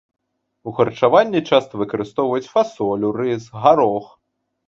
У харчаванні часта выкарыстоўваюць фасолю, рыс, гарох.